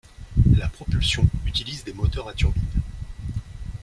La propulsion utilise des moteurs à turbine.